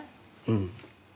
うん。